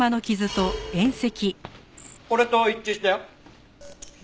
これと一致したよ。